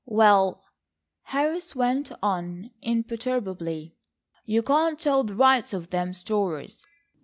"Well," Harris went on imperturbably, "you can't tell the rights of them stories.